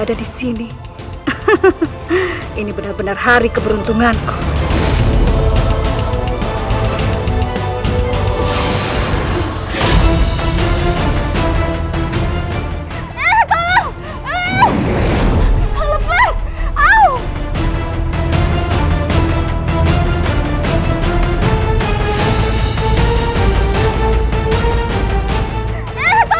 kau sendiri yang memikirkan rupa proses paham tentang pengadilan kamu itu